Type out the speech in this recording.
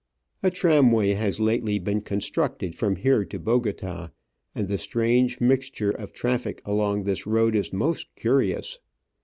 A tramway has lately been constructed from here to Bogota, and the strange mixture of traffic along this road is most curious.